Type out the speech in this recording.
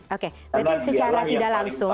oke berarti secara tidak langsung